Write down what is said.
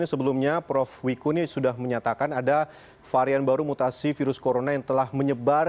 sebelumnya prof wiku ini sudah menyatakan ada varian baru mutasi virus corona yang telah menyebar